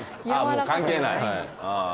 もう関係ない？